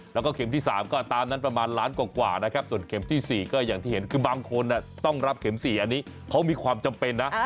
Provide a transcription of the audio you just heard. แล้วก็เข็มที่๓ก็ตามนั้นประมาณล้านกว่านะครับส่วนเข็มที่๔ก็อย่างที่เห็นคือบางคนต้องรับเข็ม๔อันนี้เขามีความจำเป็นนะ